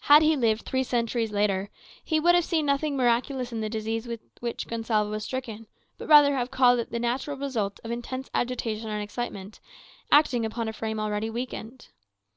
Had he lived three centuries later, he would have seen nothing miraculous in the disease with which Gonsalvo was stricken, but rather have called it the natural result of intense agitation and excitement, acting upon a frame already weakened.